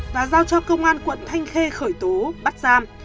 và giao cho công an quận thanh khê khởi tố bắt giam